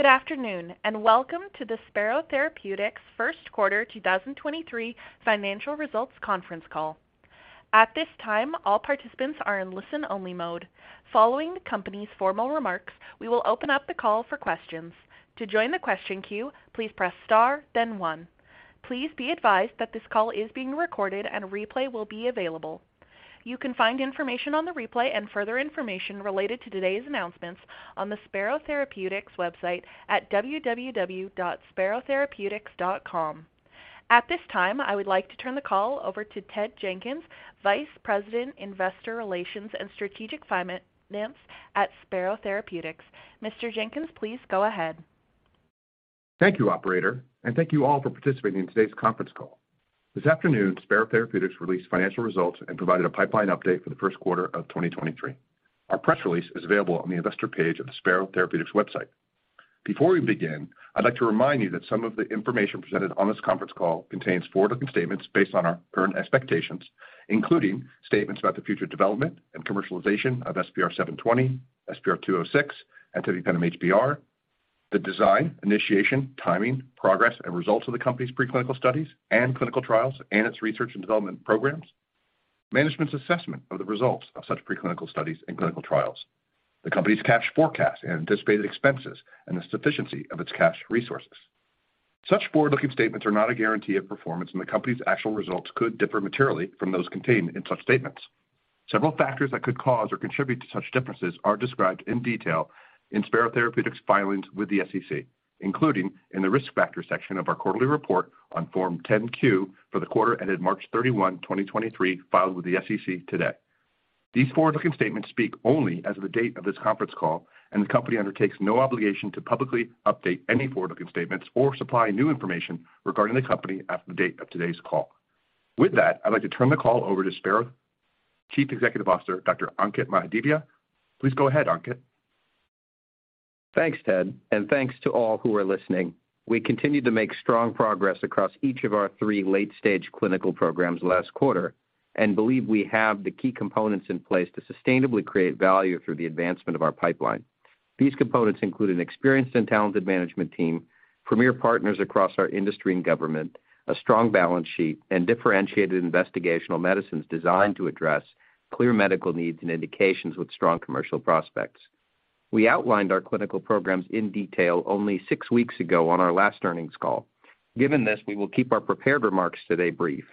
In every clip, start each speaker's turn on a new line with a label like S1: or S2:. S1: Good afternoon, and welcome to the Spero Therapeutics First Quarter 2023 Financial Results Conference Call. At this time, all participants are in listen-only mode. Following the company's formal remarks, we will open up the call for questions. To join the question queue, please press star, then one. Please be advised that this call is being recorded and a replay will be available. You can find information on the replay and further information related to today's announcements on the Spero Therapeutics website at www.sperotherapeutics.com. At this time, I would like to turn the call over to Ted Jenkins, Vice President, Investor Relations and Strategic Finance at Spero Therapeutics. Mr. Jenkins, please go ahead.
S2: Thank you, operator, and thank you all for participating in today's conference call. This afternoon, Spero Therapeutics released financial results and provided a pipeline update for the first quarter of 2023. Our press release is available on the investor page of the Spero Therapeutics website. Before we begin, I'd like to remind you that some of the information presented on this conference call contains forward-looking statements based on our current expectations, including statements about the future development and commercialization of SPR720, SPR206, and tebipenem HBr. The design, initiation, timing, progress, and results of the company's preclinical studies and clinical trials and its research and development programs. Management's assessment of the results of such preclinical studies and clinical trials. The company's cash forecast and anticipated expenses and the sufficiency of its cash resources. Such forward-looking statements are not a guarantee of performance, and the company's actual results could differ materially from those contained in such statements. Several factors that could cause or contribute to such differences are described in detail in Spero Therapeutics' filings with the SEC, including in the Risk Factors section of our quarterly report on Form 10-Q for the quarter ended March 31, 2023, filed with the SEC today. These forward-looking statements speak only as of the date of this conference call, and the company undertakes no obligation to publicly update any forward-looking statements or supply new information regarding the company after the date of today's call. With that, I'd like to turn the call over to Spero Chief Executive Officer, Dr. Ankit Mahadevia. Please go ahead, Ankit.
S3: Thanks, Ted. Thanks to all who are listening. We continued to make strong progress across each of our three late-stage clinical programs last quarter and believe we have the key components in place to sustainably create value through the advancement of our pipeline. These components include an experienced and talented management team, premier partners across our industry and government, a strong balance sheet, and differentiated investigational medicines designed to address clear medical needs and indications with strong commercial prospects. We outlined our clinical programs in detail only six weeks ago on our last earnings call. Given this, we will keep our prepared remarks today brief.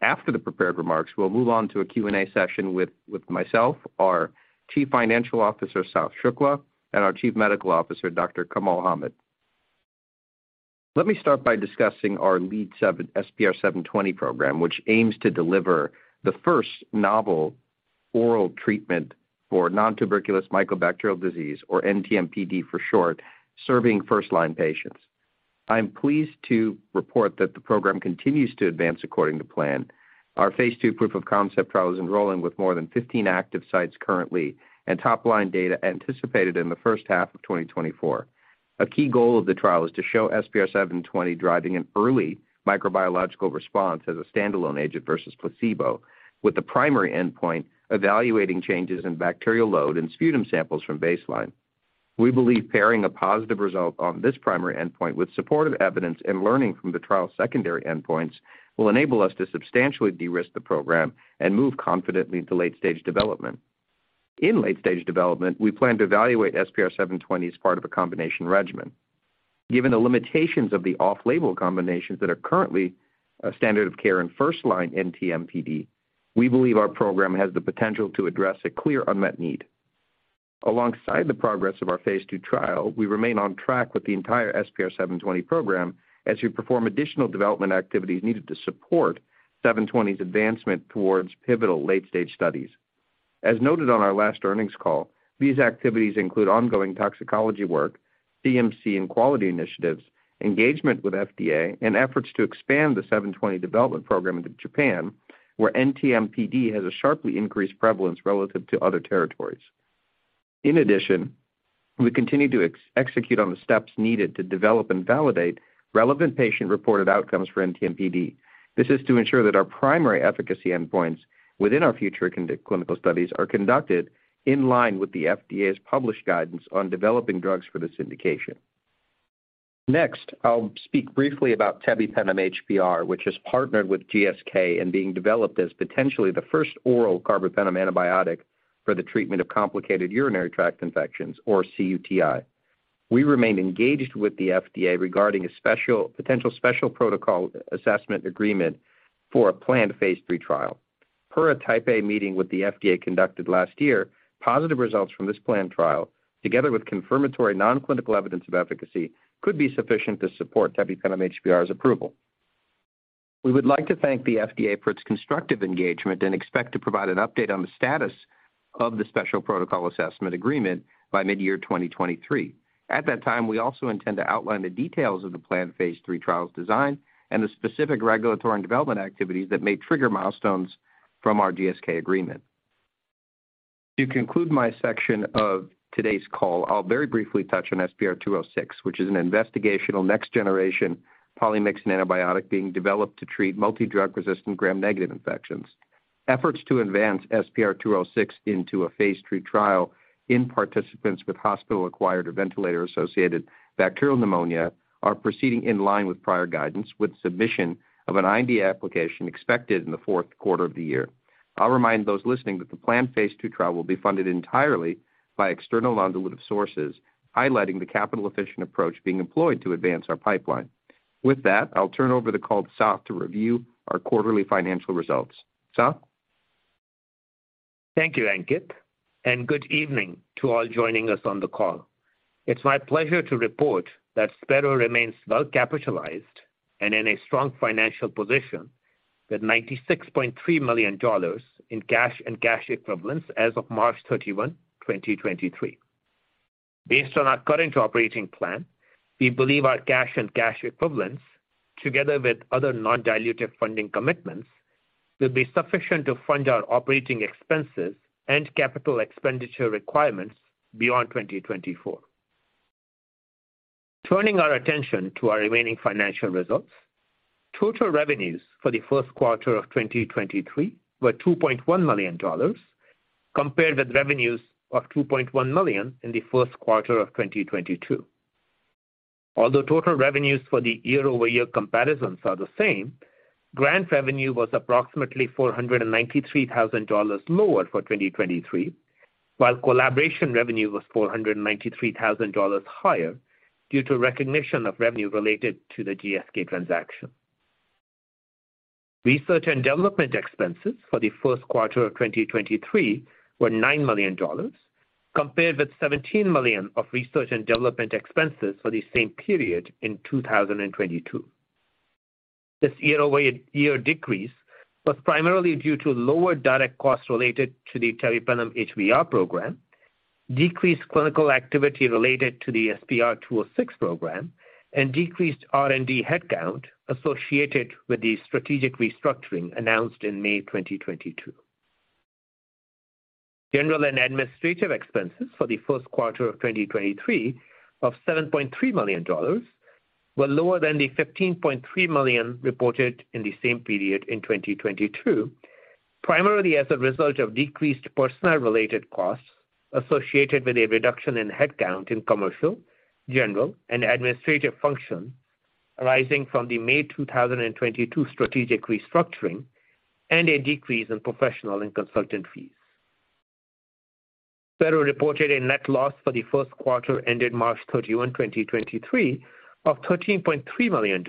S3: After the prepared remarks, we'll move on to a Q&A session with myself, our Chief Financial Officer, Sath Shukla, and our Chief Medical Officer, Dr. Kamal Hamed. Let me start by discussing our lead SPR720 program, which aims to deliver the first novel oral treatment for non-tuberculous mycobacterial disease, or NTM-PD for short, serving first line patients. I'm pleased to report that the program continues to advance according to plan. Our phase II proof-of-concept trial is enrolling with more than 15 active sites currently, and top-line data anticipated in the first half of 2024. A key goal of the trial is to show SPR720 driving an early microbiological response as a standalone agent versus placebo, with the primary endpoint evaluating changes in bacterial load in sputum samples from baseline. We believe pairing a positive result on this primary endpoint with supportive evidence and learning from the trial's secondary endpoints will enable us to substantially de-risk the program and move confidently into late-stage development. In late-stage development, we plan to evaluate SPR720 as part of a combination regimen. Given the limitations of the off-label combinations that are currently a standard of care in first-line NTM-PD, we believe our program has the potential to address a clear unmet need. Alongside the progress of our phase 2 trial, we remain on track with the entire SPR720 program as we perform additional development activities needed to support 720's advancement towards pivotal late-stage studies. As noted on our last earnings call, these activities include ongoing toxicology work, CMC and quality initiatives, engagement with FDA, and efforts to expand the 720 development program into Japan, where NTM-PD has a sharply increased prevalence relative to other territories. We continue to execute on the steps needed to develop and validate relevant patient-reported outcomes for NTM-PD. This is to ensure that our primary efficacy endpoints within our future clinical studies are conducted in line with the FDA's published guidance on developing drugs for this indication. Next, I'll speak briefly about tebipenem HBr, which is partnered with GSK and being developed as potentially the first oral carbapenem antibiotic for the treatment of complicated urinary tract infections or cUTI. We remain engaged with the FDA regarding a potential Special Protocol Assessment agreement for a planned phase III trial. Per a type A meeting with the FDA conducted last year, positive results from this planned trial, together with confirmatory non-clinical evidence of efficacy, could be sufficient to support tebipenem HBr's approval. We would like to thank the FDA for its constructive engagement and expect to provide an update on the status of the Special Protocol Assessment agreement by mid-year 2023. At that time, we also intend to outline the details of the planned phase III trial's design and the specific regulatory and development activities that may trigger milestones from our GSK agreement. To conclude my section of today's call, I'll very briefly touch on SPR206, which is an investigational next generation polymyxin antibiotic being developed to treat multi-drug resistant Gram-negative infections. Efforts to advance SPR206 into a phase III trial in participants with hospital-acquired or ventilator-associated bacterial pneumonia are proceeding in line with prior guidance, with submission of an IND application expected in the fourth quarter of the year. I'll remind those listening that the planned phase II trial will be funded entirely by external non-dilutive sources, highlighting the capital-efficient approach being employed to advance our pipeline. I'll turn over the call to Sath to review our quarterly financial results. Sath?
S4: Thank you, Ankit. Good evening to all joining us on the call. It's my pleasure to report that Spero remains well-capitalized and in a strong financial position with $96.3 million in cash and cash equivalents as of March 31, 2023. Based on our current operating plan, we believe our cash and cash equivalents, together with other non-dilutive funding commitments, will be sufficient to fund our operating expenses and capital expenditure requirements beyond 2024. Turning our attention to our remaining financial results, total revenues for the first quarter of 2023 were $2.1 million compared with revenues of $2.1 million in the first quarter of 2022. Total revenues for the year-over-year comparisons are the same, grant revenue was approximately $493,000 lower for 2023, while collaboration revenue was $493,000 higher due to recognition of revenue related to the GSK transaction. Research and development expenses for the first quarter of 2023 were $9 million compared with $17 million of research and development expenses for the same period in 2022. This year-over-year decrease was primarily due to lower direct costs related to the tebipenem HBr program, decreased clinical activity related to the SPR206 program, and decreased R&D headcount associated with the strategic restructuring announced in May 2022. General and administrative expenses for the first quarter of 2023 of $7.3 million were lower than the $15.3 million reported in the same period in 2022, primarily as a result of decreased personnel-related costs associated with a reduction in headcount in commercial, general, and administrative functions arising from the May 2022 strategic restructuring and a decrease in professional and consultant fees. Spero reported a net loss for the first quarter ended March 31, 2023 of $13.3 million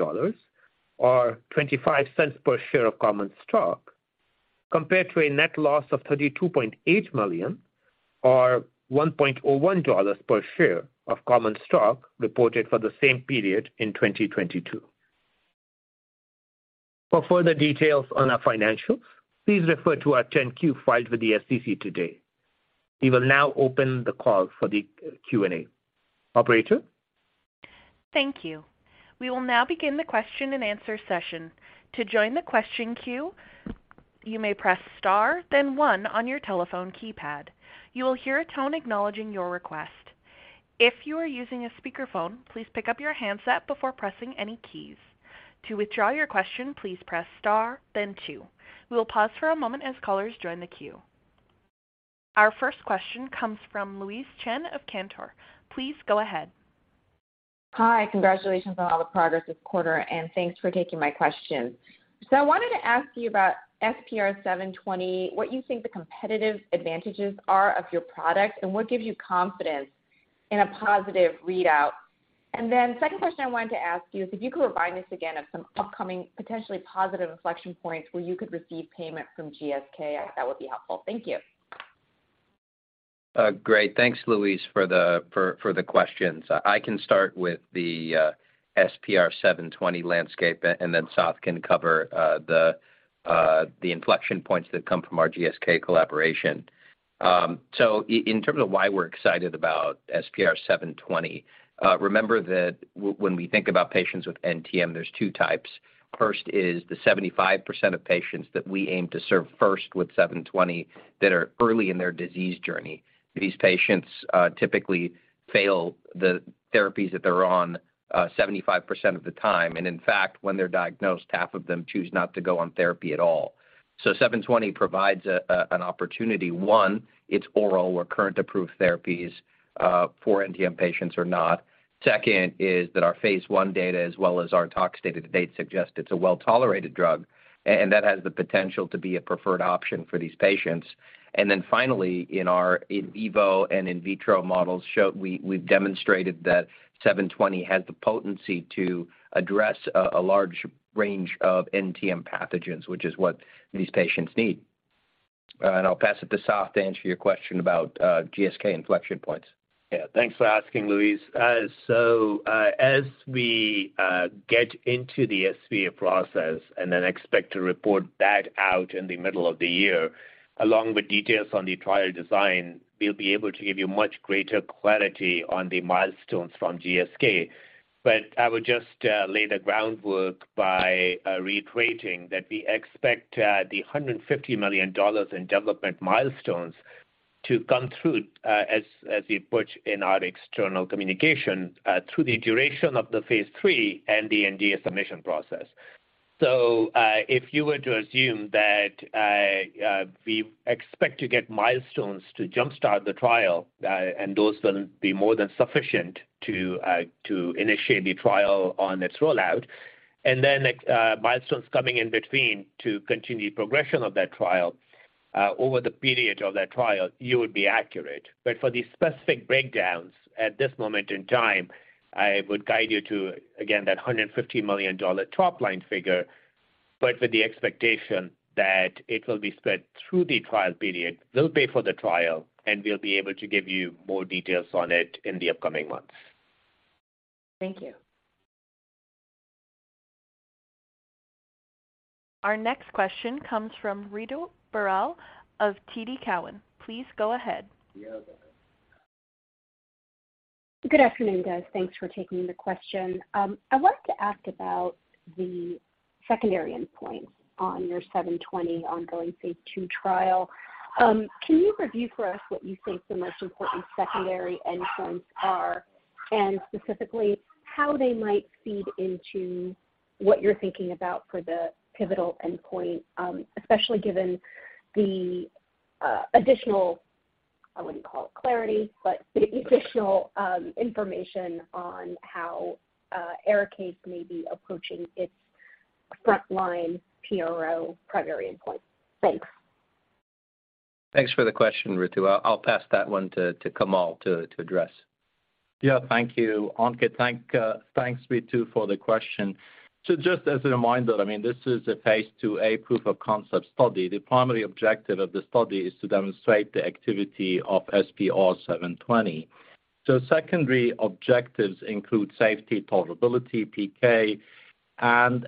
S4: or $0.25 per share of common stock compared to a net loss of $32.8 million or $1.01 per share of common stock reported for the same period in 2022. For further details on our financials, please refer to our 10-Q filed with the SEC today. We will now open the call for the Q&A. Operator?
S1: Thank you. We will now begin the question and answer session. To join the question queue, you may press star then one on your telephone keypad. You will hear a tone acknowledging your request. If you are using a speakerphone, please pick up your handset before pressing any keys. To withdraw your question, please press star then two. We will pause for a moment as callers join the queue. Our first question comes from Louise Chen of Cantor. Please go ahead.
S5: Hi. Congratulations on all the progress this quarter, and thanks for taking my question. I wanted to ask you about SPR720, what you think the competitive advantages are of your product, and what gives you confidence in a positive readout. Second question I wanted to ask you is if you could remind us again of some upcoming potentially positive inflection points where you could receive payment from GSK, that would be helpful. Thank you.
S3: Great. Thanks, Louise, for the questions. I can start with the SPR720 landscape, and then Sath can cover the inflection points that come from our GSK collaboration. In terms of why we're excited about SPR720, remember that when we think about patients with NTM, there's two types. First is the 75% of patients that we aim to serve first with 720 that are early in their disease journey. These patients typically fail the therapies that they're on 75% of the time, and in fact, when they're diagnosed, half of them choose not to go on therapy at all. SPR720 provides an opportunity. One, it's oral, where current approved therapies for NTM patients are not. Our phase one data, as well as our tox data to date suggest it's a well-tolerated drug and that has the potential to be a preferred option for these patients. Finally, in our in vivo and in vitro models show we've demonstrated that SPR720 has the potency to address a large range of NTM pathogens, which is what these patients need. I'll pass it to Sath to answer your question about GSK inflection points.
S4: Yeah. Thanks for asking, Louise. As we get into the SPA process and then expect to report that out in the middle of the year, along with details on the trial design, we'll be able to give you much greater clarity on the milestones from GSK. I would just lay the groundwork by reiterating that we expect the $150 million in development milestones
S6: To come through, as we put in our external communication, through the duration of the phase III and the NDA submission process. If you were to assume that we expect to get milestones to jump-start the trial, and those will be more than sufficient to initiate the trial on its rollout, and then milestones coming in between to continue progression of that trial, over the period of that trial, you would be accurate. For the specific breakdowns at this moment in time, I would guide you to, again, that $150 million top-line figure, but with the expectation that it will be spread through the trial period, will pay for the trial, and we'll be able to give you more details on it in the upcoming months.
S5: Thank you.
S1: Our next question comes from Ritu Baral of TD Cowen. Please go ahead.
S7: Good afternoon, guys. Thanks for taking the question. I'd like to ask about the secondary endpoints on your SPR720 ongoing phase II trial. Can you review for us what you think the most important secondary endpoints are, and specifically how they might feed into what you're thinking about for the pivotal endpoint, especially given the additional, I wouldn't call it clarity, but the additional information on how ARIKAYCE may be approaching its frontline PRO primary endpoint? Thanks.
S3: Thanks for the question, Ritu. I'll pass that one to Kamal to address.
S6: Yeah. Thank you, Ankit. Thanks, Ritu, for the question. Just as a reminder, I mean, this is a phase 2, a proof-of-concept study. The primary objective of the study is to demonstrate the activity of SPR720. Secondary objectives include safety, tolerability, PK.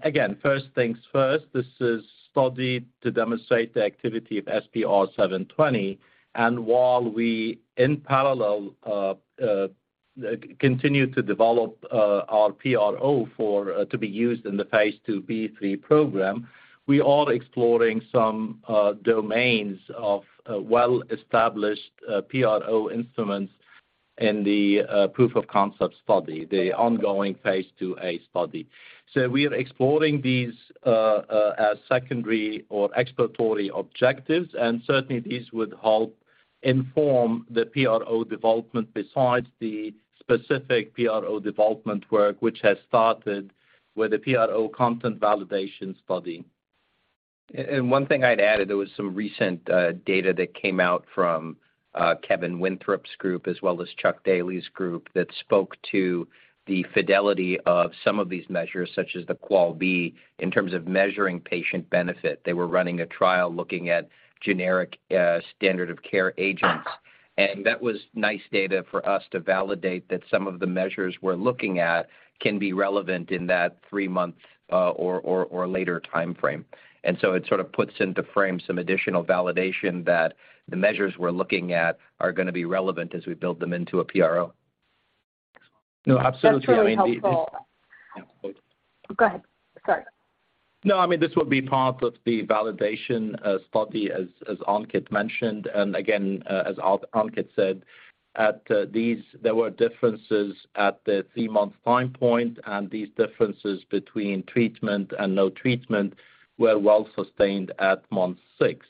S6: Again, first things first, this is study to demonstrate the activity of SPR720. While we in parallel continue to develop our PRO for to be used in the phase 2B 3 program, we are exploring some domains of well-established PRO instruments in the proof-of-concept study, the ongoing phase 2A study. We are exploring these as secondary or exploratory objectives, and certainly these would help inform the PRO development besides the specific PRO development work which has started with a PRO content validation study.
S3: One thing I'd added, there was some recent data that came out from Kevin Winthrop's group as well as Chuck Daly's group that spoke to the fidelity of some of these measures, such as the QOL-B, in terms of measuring patient benefit. They were running a trial looking at generic standard of care agents. That was nice data for us to validate that some of the measures we're looking at can be relevant in that 3-month or later timeframe. It sort of puts into frame some additional validation that the measures we're looking at are gonna be relevant as we build them into a PRO.
S6: No, absolutely.
S7: That's really helpful.
S6: Yeah, please.
S7: Go ahead. Sorry.
S6: No, I mean, this will be part of the validation study as Ankit mentioned. Again, as Ankit said, at these there were differences at the 3-month time point, and these differences between treatment and no treatment were well sustained at month 6.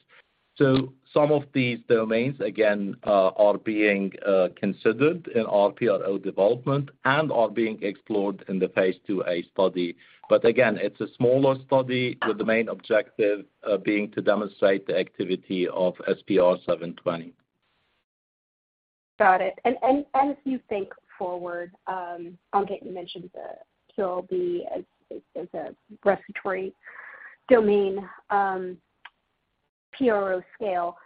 S6: Some of these domains again, are being considered in our PRO development and are being explored in the phase II A study. Again, it's a smaller study with the main objective being to demonstrate the activity of SPR720.
S7: Got it. As you think forward, Ankit, you mentioned the QOL-B as a respiratory domain, PRO scale.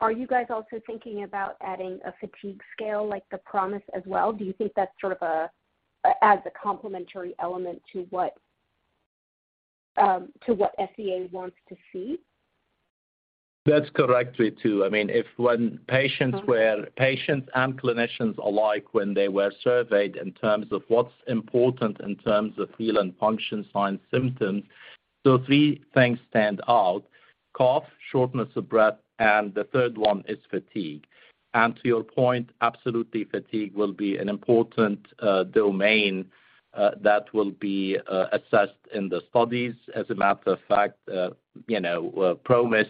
S7: Are you guys also thinking about adding a fatigue scale like the PROMIS as well? Do you think that's sort of as a complementary element to what FDA wants to see?
S6: That's correct, Ritu. I mean, if when patients were-
S7: Uh-huh.
S6: Patients and clinicians alike when they were surveyed in terms of what's important in terms of feeling function, signs, symptoms, three things stand out: cough, shortness of breath, and the third one is fatigue. To your point, absolutely fatigue will be an important domain that will be assessed in the studies. As a matter of fact, you know, PROMIS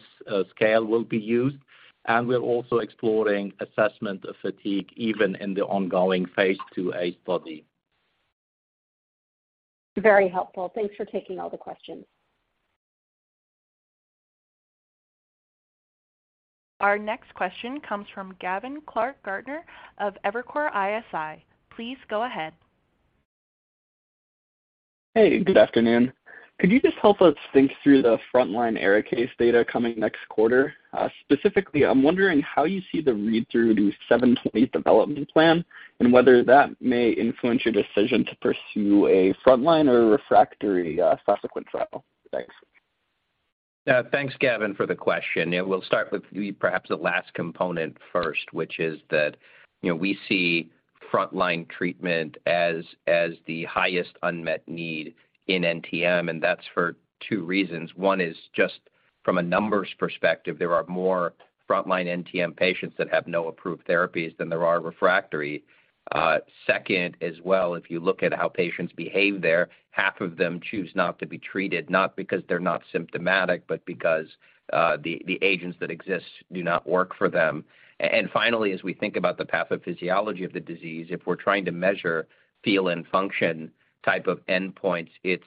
S6: scale will be used, and we're also exploring assessment of fatigue even in the ongoing phase 2A study.
S7: Very helpful. Thanks for taking all the questions.
S1: Our next question comes from Gavin Clark-Gartner of Evercore ISI. Please go ahead.
S8: Hey, good afternoon. Could you just help us think through the frontline ARIKAYCE data coming next quarter? Specifically, I'm wondering how you see the read-through to Seven Twenty development plan and whether that may influence your decision to pursue a frontline or a refractory, subsequent trial. Thanks.
S3: Thanks, Gavin, for the question. We'll start with the perhaps the last component first, which is that, you know, we see frontline treatment as the highest unmet need in NTM, and that's for two reasons. One is just from a numbers perspective, there are more frontline NTM patients that have no approved therapies than there are refractory. Second as well, if you look at how patients behave there, half of them choose not to be treated, not because they're not symptomatic, but because the agents that exist do not work for them. And finally, as we think about the pathophysiology of the disease, if we're trying to measure feel and function type of endpoints, it's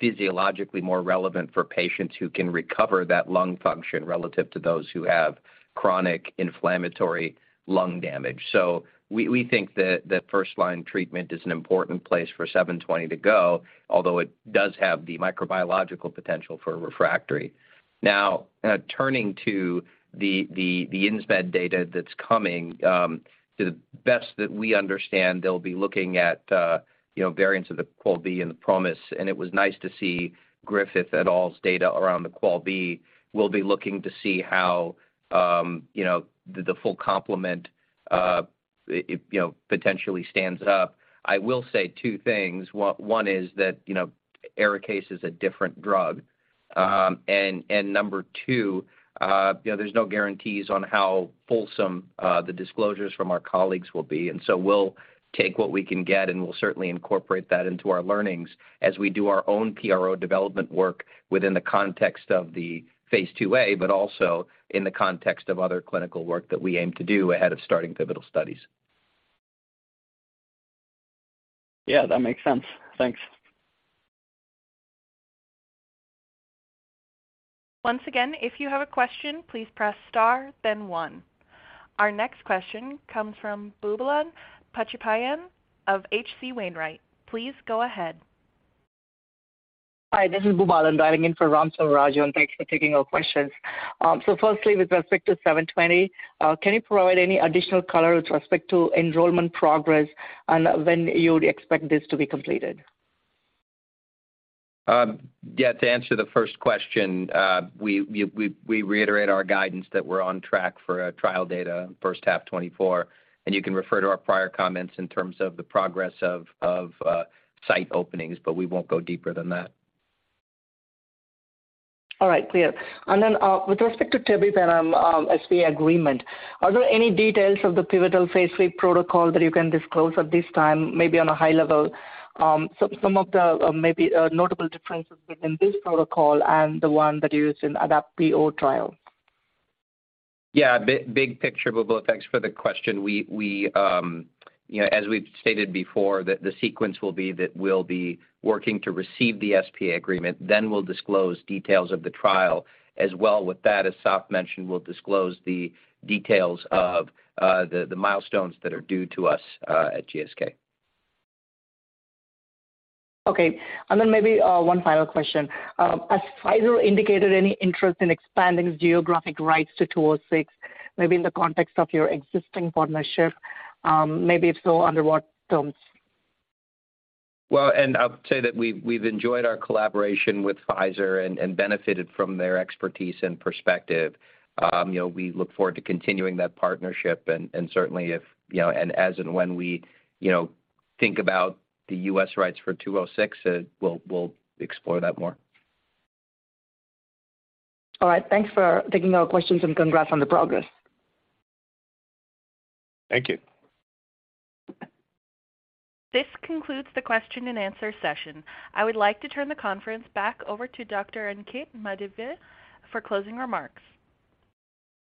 S3: physiologically more relevant for patients who can recover that lung function relative to those who have chronic inflammatory lung damage. We think that first line treatment is an important place for SPR720 to go, although it does have the microbiological potential for refractory. Turning to the INSPIRE data that's coming, the best that we understand, they'll be looking at, you know, variants of the QOL-B and the PROMIS, and it was nice to see Griffith et al's data around the QOL-B. We'll be looking to see how, you know, the full complement, you know, potentially stands up. I will say two things. One is that, you know, ARIKAYCE is a different drug. Number two, you know, there's no guarantees on how fulsome the disclosures from our colleagues will be. We'll take what we can get, and we'll certainly incorporate that into our learnings as we do our own PRO development work within the context of the phase 2A, but also in the context of other clinical work that we aim to do ahead of starting pivotal studies.
S7: Yeah, that makes sense. Thanks.
S1: Once again, if you have a question, please press star then one. Our next question comes from Boobalan Pachaiyappan of H.C. Wainwright. Please go ahead.
S9: Hi, this is Boobalan dialing in for Ram Selvaraju, and thanks for taking our questions. Firstly, with respect to 720, can you provide any additional color with respect to enrollment progress and when you would expect this to be completed?
S3: Yeah, to answer the first question, we reiterate our guidance that we're on track for trial data first half 2024, and you can refer to our prior comments in terms of the progress of site openings, but we won't go deeper than that.
S9: All right. Clear. With respect to tebipenem SPA agreement, are there any details of the pivotal phase 3 protocol that you can disclose at this time, maybe on a high level? Some of the maybe notable differences between this protocol and the one that you used in ADAPT-PO trial.
S3: Yeah. Big, big picture, Boobalan. Thanks for the question. We, you know, as we've stated before, the sequence will be that we'll be working to receive the SPA agreement, then we'll disclose details of the trial as well with that. As Saf mentioned, we'll disclose the details of the milestones that are due to us at GSK.
S9: Okay. Maybe one final question. Has Pfizer indicated any interest in expanding geographic rights to 206, maybe in the context of your existing partnership? Maybe if so, under what terms?
S3: I'll say that we've enjoyed our collaboration with Pfizer benefited from their expertise and perspective. You know, we look forward to continuing that partnership certainly if, you know, and as and when we, you know, think about the US rights for 206, we'll explore that more.
S9: All right. Thanks for taking our questions and congrats on the progress.
S3: Thank you.
S1: This concludes the question and answer session. I would like to turn the conference back over to Dr. Ankit Mahadevia for closing remarks.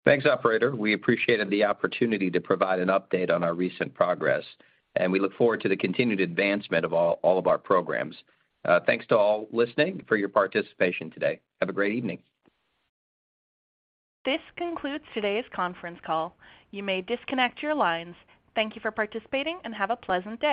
S3: Thanks, operator. We appreciated the opportunity to provide an update on our recent progress, and we look forward to the continued advancement of all of our programs. Thanks to all listening for your participation today. Have a great evening.
S1: This concludes today's conference call. You may disconnect your lines. Thank you for participating and have a pleasant day.